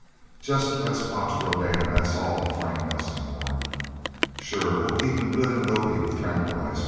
"Just let's watch Rodan that's all," Frank Nelsen warned. "Sure we'll keep him good and dopey with a tranquilizer..."